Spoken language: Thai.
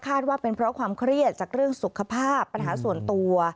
ว่าเป็นเพราะความเครียดจากเรื่องสุขภาพปัญหาส่วนตัว